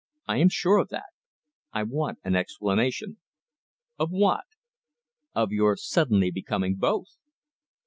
"I am sure of that. I want an explanation." "Of what?" "Of your suddenly becoming both!"